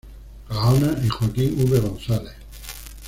Gaona y Joaquín V. González.